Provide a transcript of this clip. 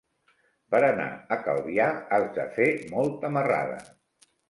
Per anar a Calvià has de fer molta marrada.